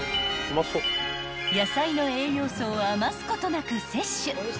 ［野菜の栄養素を余すことなく摂取］